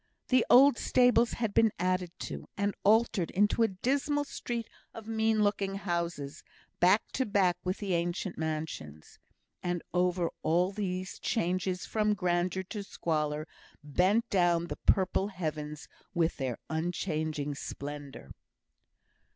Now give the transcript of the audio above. The old stables had been added to, and altered into a dismal street of mean looking houses, back to back with the ancient mansions. And over all these changes from grandeur to squalor, bent down the purple heavens with their unchanging splendour!